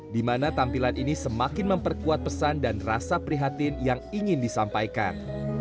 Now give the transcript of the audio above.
di mana tampilan ini semakin memperkuat pesan dan rasa prihatin yang ingin disampaikan